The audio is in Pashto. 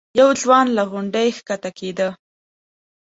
یو ځوان له غونډۍ ښکته کېده.